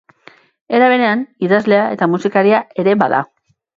Era berean, idazlea eta musikaria ere bada.